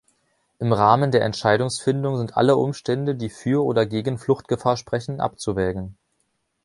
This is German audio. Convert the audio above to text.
Im Rahmen der Entscheidungsfindung sind alle Umstände, die für oder gegen Fluchtgefahr sprechen, abzuwägen.